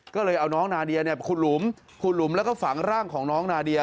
ก็เลยเอาน้องนาเดียขุดหลุมขุดหลุมแล้วก็ฝังร่างของน้องนาเดีย